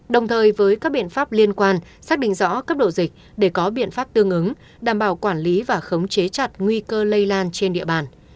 đồng thời với các biện pháp liên quan xác định rõ cấp độ dịch để có biện pháp tương ứng đảm bảo quản lý và khống chế chặt nguy cơ lây lan trên địa bàn